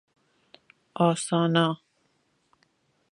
آسانا